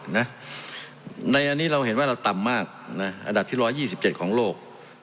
ในอันนี้เราเห็นว่าเราต่ำมากอันดับที่๑๒๗ของโลก